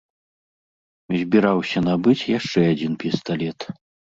Збіраўся набыць яшчэ адзін пісталет.